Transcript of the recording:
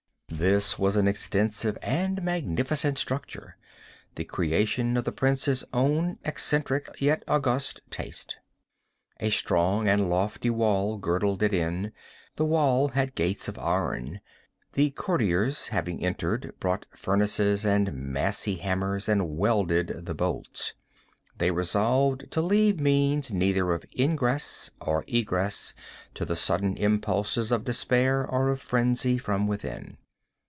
This was an extensive and magnificent structure, the creation of the prince's own eccentric yet august taste. A strong and lofty wall girdled it in. This wall had gates of iron. The courtiers, having entered, brought furnaces and massy hammers and welded the bolts. They resolved to leave means neither of ingress or egress to the sudden impulses of despair or of frenzy from within.